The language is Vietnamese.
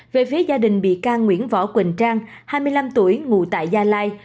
về phía gia đình bị can nguyễn võ quỳnh trang hai mươi năm tuổi ngụ tại gia lai